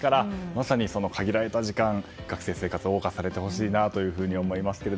まさに限られた時間、学生生活を謳歌されてほしいなと思います。